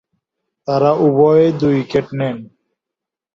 তারা উভয়েই দুই উইকেট নেন।